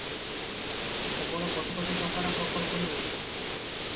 କେବଳ କୋଟି କୋଟି ଟଙ୍କାର ପ୍ରକଳ୍ପ ନୁହେଁ ।